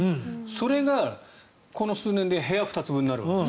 それがこの数年で部屋２つ分になるわけです。